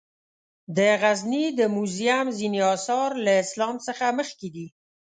د غزني د موزیم ځینې آثار له اسلام څخه مخکې دي.